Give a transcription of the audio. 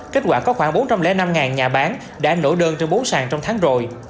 kết quả có khoảng bốn trăm linh năm nhà bán đã nổ đơn trên bốn sàn trong tháng rồi